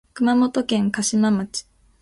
熊本県嘉島町